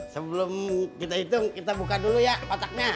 sebelum kita hitung kita buka dulu ya otaknya